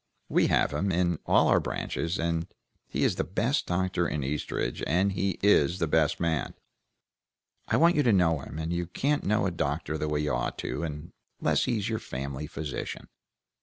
We have him, in all our branches; he is the best doctor in Eastridge, and he is the best man. I want you to know him, and you can't know a doctor the way you ought to, unless he's your family physician."